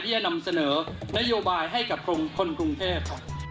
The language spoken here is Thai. จะนำเสนอนโยบายให้กับคนกรุงเทพ